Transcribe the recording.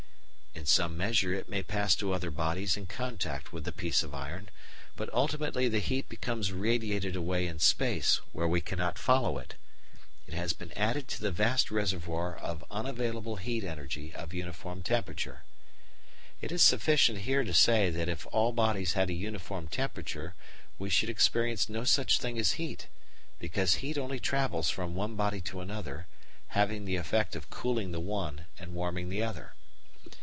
In some measure it may pass to other bodies in contact with the piece of iron, but ultimately the heat becomes radiated away in space where we cannot follow it. It has been added to the vast reservoir of unavailable heat energy of uniform temperature. It is sufficient here to say that if all bodies had a uniform temperature we should experience no such thing as heat, because heat only travels from one body to another, having the effect of cooling the one and warming the other.